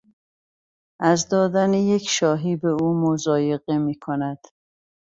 از دادن یک شاهی به او مضایقه میکند.